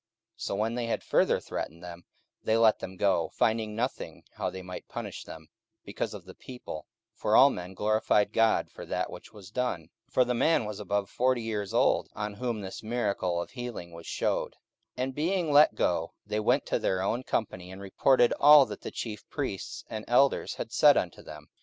44:004:021 So when they had further threatened them, they let them go, finding nothing how they might punish them, because of the people: for all men glorified God for that which was done. 44:004:022 For the man was above forty years old, on whom this miracle of healing was shewed. 44:004:023 And being let go, they went to their own company, and reported all that the chief priests and elders had said unto them.